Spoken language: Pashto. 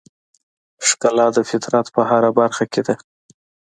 ښکلا د فطرت په هره برخه کې ده.